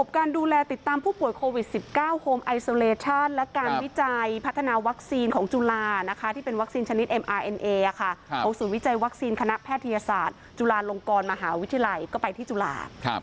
เขาสูญวิจัยวัคซีนคณะแพทยศาสตร์จุฬานลงกรมหาวิทยาลัยก็ไปที่จุฬาส